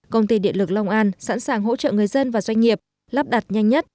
công ty điện lực long an sẵn sàng hỗ trợ người dân và doanh nghiệp lắp đặt nhanh nhất